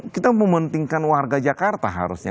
kita mementingkan warga jakarta harusnya